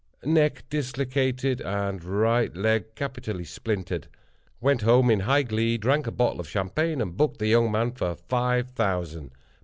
Neck dislocated, and right leg capitally splintered. Went home in high glee, drank a bottle of champagne, and booked the young man for five thousand.